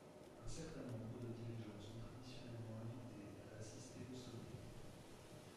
Un certain nombre de dirigeants sont traditionnellement invités à assister au sommet.